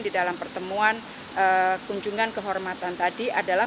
di dalam pertemuan kunjungan kehormatan tadi adalah